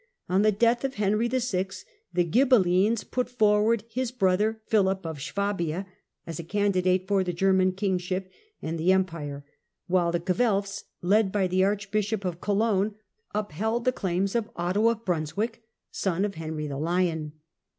On the death of Philip of Henry VI. the Ghibelines put forward his brother Philip otto of of Swabia as a candidate for the German kingship and Brunswick ^^^ Empire, while the Guelfs, led by the Archbishop of Cologne, upheld the claims of Otto of Brunswick, son of Henry the Lion.